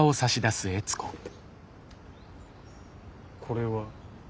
これは？